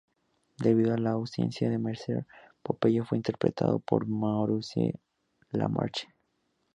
Debido a la ausencia de Mercer, Popeye fue interpretado por Maurice LaMarche.